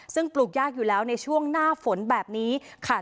ซึ่งปลูกยากอยู่แล้วในช่วงหน้าฝนแบบนี้ค่ะ